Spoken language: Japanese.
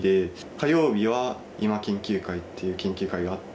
火曜日は今研究会っていう研究会があって。